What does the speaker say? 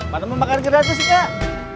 mana mau makan gratis kak